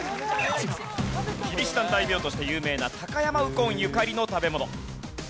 キリシタン大名として有名な高山右近ゆかりの食べ物。